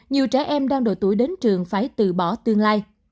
nhiều trẻ em đang độ tuổi đến trường phải từ bỏ tương lai